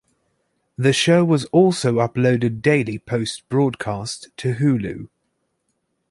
The show was also uploaded daily post-broadcast to Hulu.